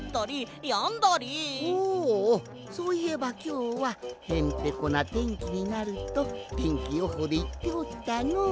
おうおうそういえばきょうはへんてこなてんきになるとてんきよほうでいっておったのう。